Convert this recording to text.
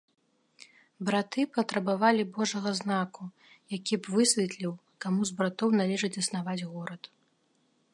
Браты патрабавалі божага знаку, які б высветліў, каму з братоў належыць заснаваць горад.